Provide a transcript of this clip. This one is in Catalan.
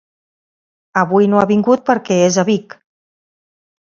Avui no ha vingut perquè és a Vic.